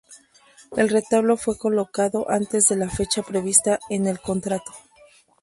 El retablo fue colocado antes de la fecha prevista en el contrato.